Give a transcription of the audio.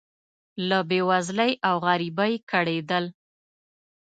له بې وزلۍ او غریبۍ کړېدل.